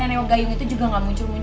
nenek gayung itu juga men fungus